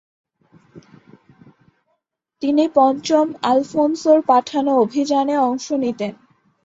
তিনি পঞ্চম আলফোনসোর পাঠানো অভিযানে অংশ নিতেন।